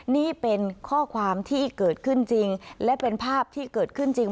นี่เป็นข้อความที่เกิดขึ้นจริงและเป็นภาพที่เกิดขึ้นจริง